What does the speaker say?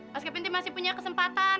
mas kevin masih punya kesempatan